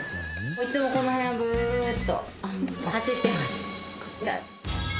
いつもこの辺をブーンと走ってます。